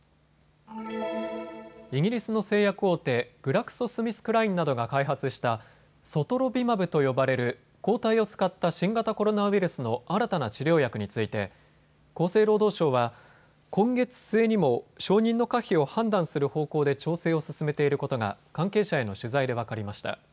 イギリスの製薬大手、グラクソ・スミスクラインなどが開発したソトロビマブと呼ばれる抗体を使った新型コロナウイルスの新たな治療薬について厚生労働省は今月末にも承認の可否を判断する方向で調整を進めていることが関係者への取材で分かりました。